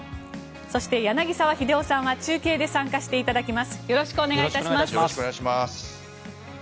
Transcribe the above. そして、柳澤秀夫さんは中継で参加していただきます。